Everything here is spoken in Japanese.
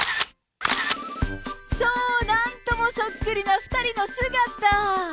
そう、なんともそっくりな２人の姿。